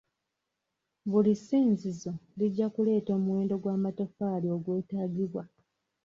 Buli ssinzizo lijja kuleeta omuwendo gw'amatoffaali ogwetaagibwa.